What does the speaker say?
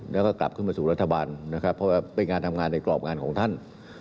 แล้วก็กลับขึ้นมาสู่รัฐบาลนะครับเพราะว่าเป็นงานทำงานในกรอบงานของท่าน